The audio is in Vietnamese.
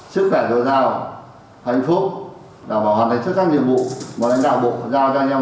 sức khỏe rõ rào hạnh phúc đảm bảo hoàn thành chất khắc nhiệm vụ mời lãnh đạo bộ giao cho anh em